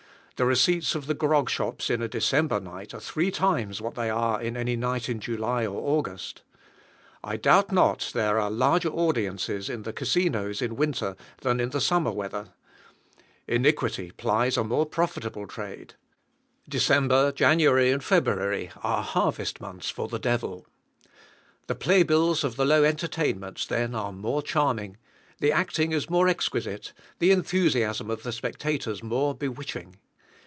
The receipts of the grog shops in a December night are three times what they are in any night in July or August. I doubt not there are larger audiences in the casinos in winter than in the summer weather. Iniquity plies a more profitable trade. December, January, and February are harvest months for the devil. The play bills of the low entertainments then are more charming, the acting is more exquisite, the enthusiasm of the spectators more bewitching.